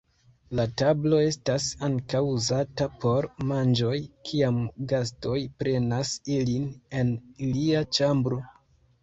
La tablo estas ankaŭ uzata por manĝoj kiam gastoj prenas ilin en ilia ĉambro.